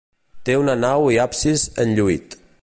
Té una nau i absis enlluït.